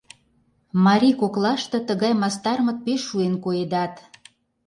Марий коклаште тыгай мастармыт пеш шуэн коедат.